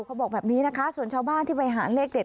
เขาบอกแบบนี้นะคะส่วนชาวบ้านที่ไปหาเลขเด็ด